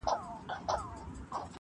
o په خِصلت درویش دی یاره نور سلطان دی,